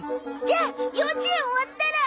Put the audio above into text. じゃあ幼稚園終わったら。